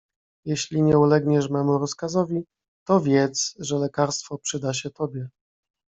"Jeśli nie ulegniesz memu rozkazowi, to wiedz, że lekarstwo przyda się tobie."